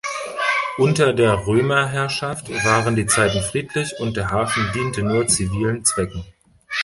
Unter der Römerherrschaft waren die Zeiten friedlich und der Hafen diente nur zivilen Zwecken.